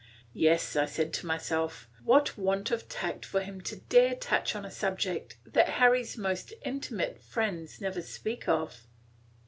Yes, I said to myself, "What want of tact for him to dare to touch on a subject that Harry's most intimate friends never speak of!"